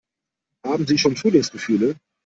Haben Sie schon Frühlingsgefühle?